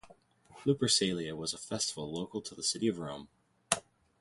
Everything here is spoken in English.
Lupercalia was a festival local to the city of Rome.